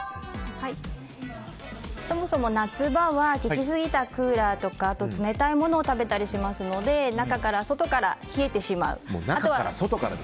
そもそも夏場は効きすぎたクーラーとか冷たいものを食べたりしますので中から外から冷えてしまう。